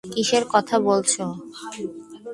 কিসের কথা বলছো?